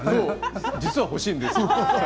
実は欲しいんです。